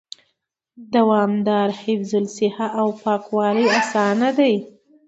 دوامدار حفظ الصحه او پاکوالي آسانه دي